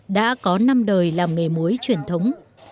đã có năm đời làm nghề muối truyền thống